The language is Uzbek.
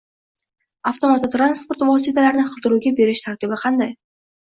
Avtomototransport vositalarini qidiruvga berish tartibi qanday?